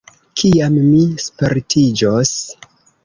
Kiam mi spertiĝos?